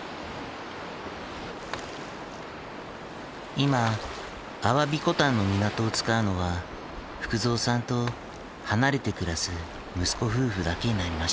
今鮑古丹の港を使うのは福蔵さんと離れて暮らす息子夫婦だけになりました。